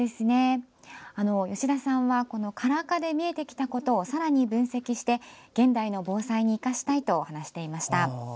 吉田さんはカラー化で見えてきたことをさらに分析して、現代の防災に生かしたいと話していました。